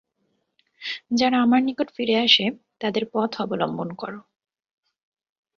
যারা আমার নিকট ফিরে আসে তাদের পথ অবলম্বন কর।